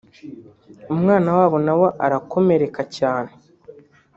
umwana wabo nawe arakomereka cyane